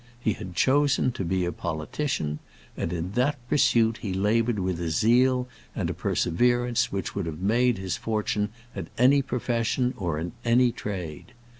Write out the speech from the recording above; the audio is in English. He had chosen to be a politician, and in that pursuit he laboured with a zeal and perseverance which would have made his fortune at any profession or in any trade.